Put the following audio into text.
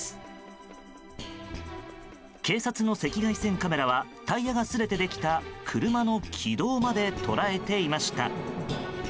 警察の赤外線カメラはタイヤがすれてできた車の軌道まで捉えていました。